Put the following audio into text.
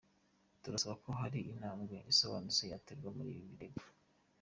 Turasaba ko hari intambwe isobanutse yaterwa kuri ibi birego.”